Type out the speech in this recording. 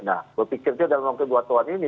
nah berpikirnya dalam waktu dua tahun ini